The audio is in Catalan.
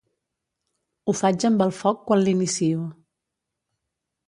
Ho faig amb el foc quan l'inicio.